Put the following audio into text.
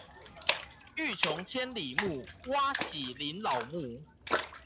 欲窮千里目，哇洗林老木